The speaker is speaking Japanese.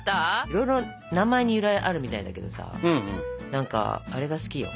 いろいろ名前に由来あるみたいだけどさ何かあれが好きよ。